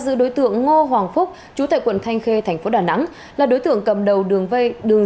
giữ đối tượng ngô hoàng phúc chủ tại quận thanh khê thành phố đà nẵng là đối tượng cầm đầu đường